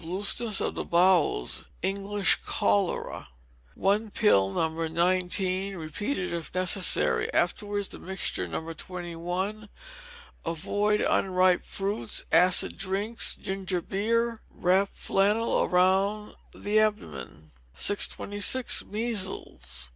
Looseness of the Bowels (English Cholera). One pill No. 19, repeated if necessary; afterwards the mixture No. 21. Avoid unripe fruits, acid drinks, ginger beer; wrap flannel around the abdomen. 626. Measles.